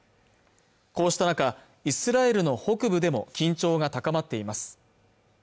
こうした中イスラエルの北部でも緊張が高まっています